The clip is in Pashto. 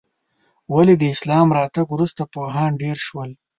ولې د اسلام راتګ وروسته پوهان ډېر شول؟